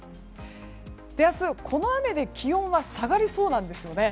明日、この雨で気温は下がりそうなんですよね。